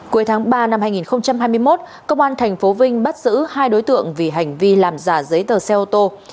cuối tháng ba năm hai nghìn hai mươi một công an tp vinh bắt giữ hai đối tượng vì hành vi làm giả giấy tờ xe ô tô